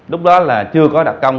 lúc đó là chưa có đặc công